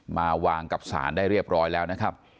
มาวางกับสารได้เรียบร้อยแล้วนะครับ